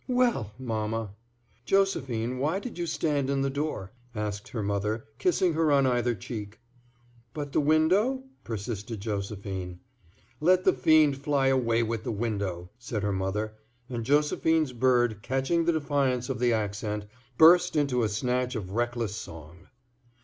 "Well! mamma." "Josephine, why did you stand in the door?" asked her mother, kissing her on either cheek. "But the window?" persisted Josephine. "Let the fiend fly away with the window!" said her mother; and Josephine's bird, catching the defiance of the accent, burst into a snatch of reckless song.